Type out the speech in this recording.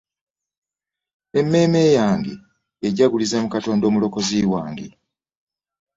Emmeeme yange ejjaguliza mu katonda omulokozi wange.